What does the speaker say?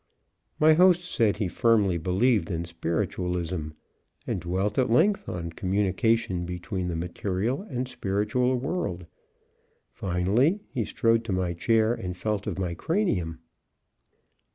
My host said he firmly believed in Spiritualism, and dwelt at length on communication between the material and spiritual world. Finally he strode to my chair and felt of my cranium.